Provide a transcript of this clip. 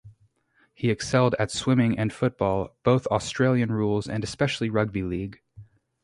He excelled at swimming and football, both Australian rules and especially rugby league.